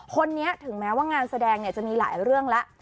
คนนี้ถึงแม้ว่างานแสดงจะมีหลายเรื่องแล้ว